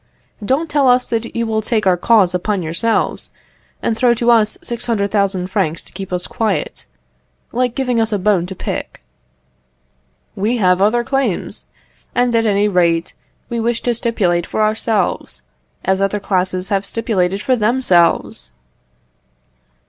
Don't tell us that you will take our cause upon yourselves, and throw to us 600,000 francs to keep us quiet, like giving us a bone to pick. We have other claims, and, at any rate, we wish to stipulate for ourselves, as other classes have stipulated for themselves!"